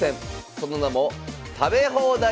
その名も「食べ放題将棋」。